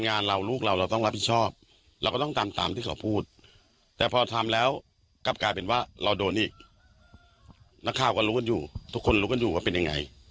คุณรู้กันดูว่าเป็นอย่างไร